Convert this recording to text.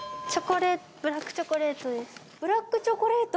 ブラックチョコレート？